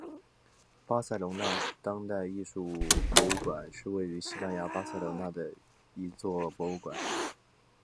巴塞隆纳当代艺术博物馆是位于西班牙巴塞隆纳的一座博物馆。